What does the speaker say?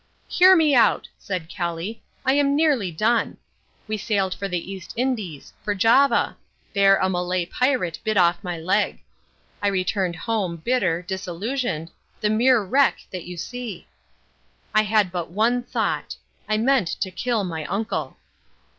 "Hear me out," said Kelly, "I am nearly done. We sailed for the East Indies for Java. There a Malay pirate bit off my leg. I returned home, bitter, disillusioned, the mere wreck that you see. I had but one thought. I meant to kill my uncle."